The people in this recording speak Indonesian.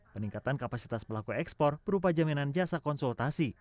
peningkatan kapasitas pelaku ekspor berupa jaminan jasa konsultasi